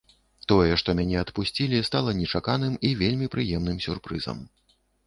Тое, што мяне адпусцілі, стала нечаканым і вельмі прыемным сюрпрызам.